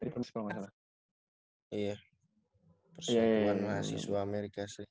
pesukuan mahasiswa amerika selatan